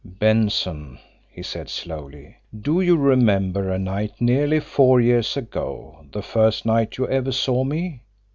"Benson," he said slowly, "do you remember a night, nearly four years ago, the first night you ever saw me?